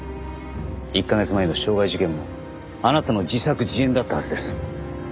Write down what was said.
１カ月前の傷害事件もあなたの自作自演だったはずです。